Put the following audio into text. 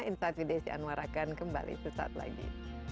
insafi desi anwar akan kembali sesaat lagi